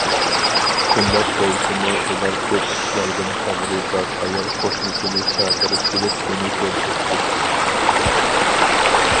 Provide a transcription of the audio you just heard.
شۇنداق بولسىمۇ ئۇلار كۆپ ئىشلاردىن خەۋىرى بار ئايال قوشنىسىنى چاقىرىپ كېلىپ ئۇنى كۆرسەتتى.